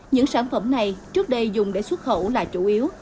những sản phẩm này trước đây dùng để xuất khẩu là chủ yếu